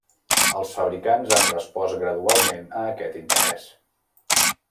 Els fabricants han respost gradualment a aquest interès.